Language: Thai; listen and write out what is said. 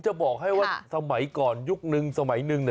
จะเอาสมัยก่อนยุคนึงสมัยนึง